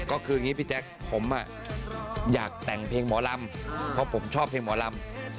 ก็คืออย่างนี้พี่แจ๊คผมอยากแต่งเพลงหมอลำเพราะผมชอบเพลงหมอลำ